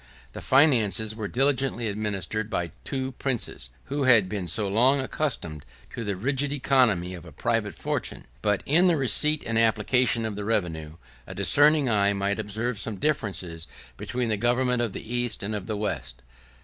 The finances were diligently administered by two princes, who had been so long accustomed to the rigid economy of a private fortune; but in the receipt and application of the revenue, a discerning eye might observe some difference between the government of the East and of the West.